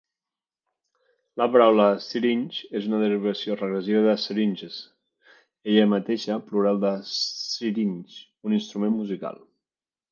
La paraula "syringe" és una derivació regressiva de "syringes", ella mateixa plural de "syrinx", un instrument musical.